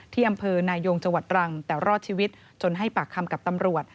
ที่อำเภอนายงจังหวัดตรังแต่รอดชีวิตจนให้ปากคำกับตำรวจ